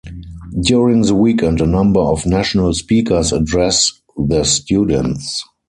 During the weekend, a number of national speakers address the students.